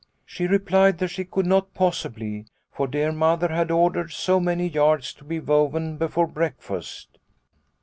She replied that she could not possibly, for dear Mother had ordered so many yards to be woven before breakfast.